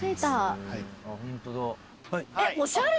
ホントだ。